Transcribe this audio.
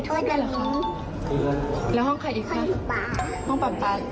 อ๋อเหรอคะห้นตุ๋นยาห้นใหญ่ถ้วนห้นตุ๋นนิ้ว